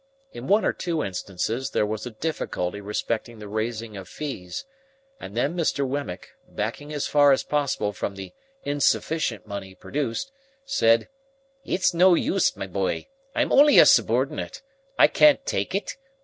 In one or two instances there was a difficulty respecting the raising of fees, and then Mr. Wemmick, backing as far as possible from the insufficient money produced, said, "it's no use, my boy. I'm only a subordinate. I can't take it.